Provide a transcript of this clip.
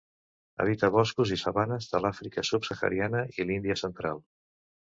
Habita boscos i sabanes de l'Àfrica subsahariana i l'Índia central.